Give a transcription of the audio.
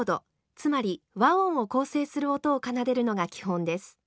つまり和音を構成する音を奏でるのが基本です。